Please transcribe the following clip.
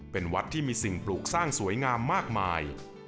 เป็นวัดที่มีสิ่งปลูกสร้างสวยงามมากมาย